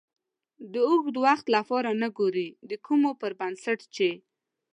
د اوږد وخت لپاره نه ګورئ د کومو پر بنسټ چې